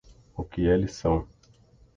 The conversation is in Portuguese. O que eles são